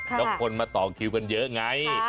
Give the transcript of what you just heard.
แล้วคนมาต่อคิวกันเยอะไง